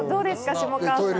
下川さん。